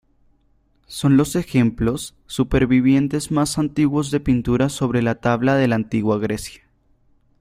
Son los ejemplos supervivientes más antiguos de pintura sobre tabla de la Antigua Grecia.